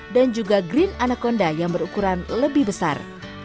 dan juga green anaconda yang berukuran lebih besar